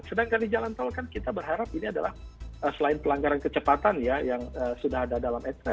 sedangkan di jalan tol kan kita berharap ini adalah selain pelanggaran kecepatan ya yang sudah ada dalam ekstra